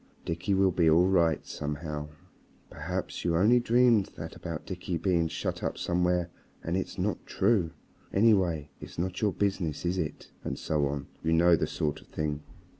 "Dickie will be all right somehow. "Perhaps you only dreamed that about Dickie being shut up somewhere and it's not true. "Anyway, it's not your business, is it?" And so on. You know the sort of thing.